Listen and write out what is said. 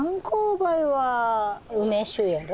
梅酒やろ。